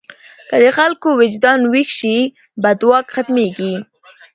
که د خلکو وجدان ویښ شي، بد واک ختمېږي.